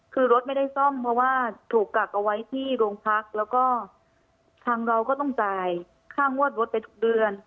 คือรถไม่ได้ซ่อมเพราะว่าถูกกักเอาไว้ที่โรงพักแล้วก็ทางเราก็ต้องจ่ายค่างวดรถไปทุกเดือน